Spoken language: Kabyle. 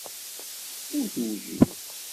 Ur tewjid.